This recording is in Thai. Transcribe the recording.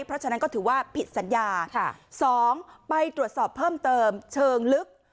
เพราะฉะนั้นก็ถือว่าผิดสัญญา๒ไปตรวจสอบเพิ่มเติมเชิงลึก